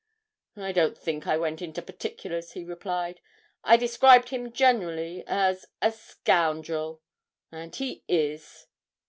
'I don't think I went into particulars,' he replied. 'I described him generally as a scoundrel. And he is.'